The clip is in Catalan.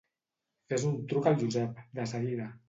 Fes un truc al Josep, de seguida.